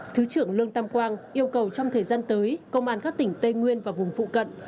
thứ trưởng lương tam quang yêu cầu trong thời gian tới công an các tỉnh tây nguyên và vùng phụ cận